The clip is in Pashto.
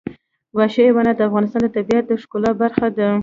وحشي حیوانات د افغانستان د طبیعت د ښکلا برخه ده.